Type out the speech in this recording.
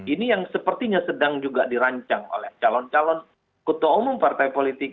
ini yang sepertinya sedang juga dirancang oleh calon calon ketua umum partai politik